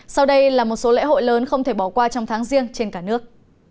sau đây là một số lễ hội lớn không thể bỏ qua trong tháng riêng trên cả nước